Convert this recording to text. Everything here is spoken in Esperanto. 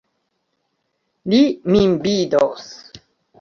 Li min vidos!